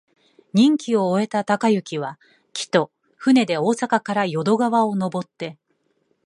任期を終えた貫之は、帰途、船で大阪から淀川をのぼって、